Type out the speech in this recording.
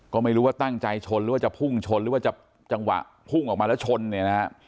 ก็ไม่รู้ว่าตั้งใจชนหรือว่าจะพุ่งชนหรือว่าจะจังหวะพุ่งออกมาแล้วชนเนี่ยนะฮะ